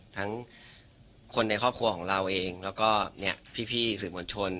ทั้งคนในครอบครัวของเราเองแล้วก็พี่สื่อมวลชน